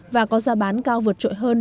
và có gia bán cao vượt trội hơn